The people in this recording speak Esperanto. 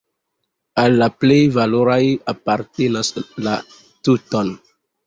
Al la plej valoraj apartenas la tn.